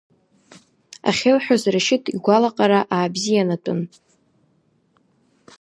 Ахьылҳәаз Рашьыҭ игәалаҟара аабзианатәын…